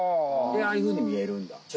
でああいうふうにみえるんだ。